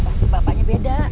pasti bapaknya beda